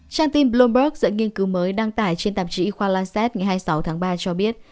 trang tin bloomberg nghiên cứu mới đăng tải trên tạp chí khoa lanset ngày hai mươi sáu tháng ba cho biết